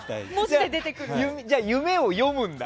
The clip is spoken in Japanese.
じゃあ、夢を読むんだ？